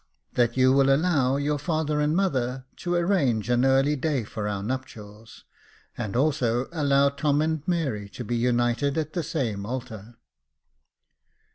" That you will allow your father and mother to arrange an early day for our nuptials, and also allow Tom and Mary to be united at the same altar."